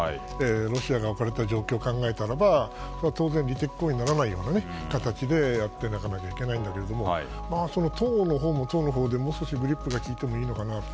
ロシアが置かれた状況を考えたならばこれは当然、利敵行為にならないような形でやっていかなければならないんだけれども党のほうも党のほうでもう少しブレーキが利いてもいいのかなと。